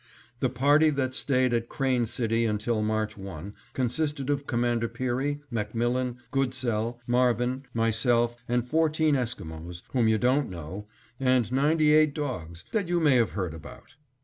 The party that stayed at Crane City until March 1, consisted of Commander Peary, MacMillan, Goodsell, Marvin, myself, and fourteen Esquimos, whom you don't know, and ninety eight dogs, that you may have heard about.